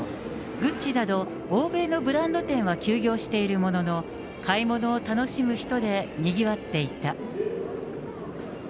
グッチなど欧米のブランド店は休業しているものの、買い物を楽しむ人でにぎわっていた。